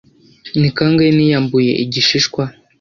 Ni kangahe niyambuye igishishwa